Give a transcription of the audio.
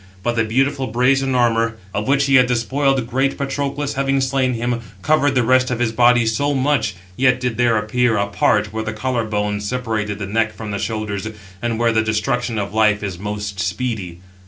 But the beautiful brazen armour, of which he had despoiled great Patroclus, having slain him, covered the rest of his body so much; yet did there appear [a part] where the collar bones separate the neck from the shoulders, and where the destruction of life is most speedy.